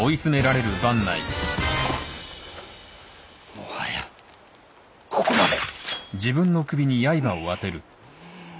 もはやここまで。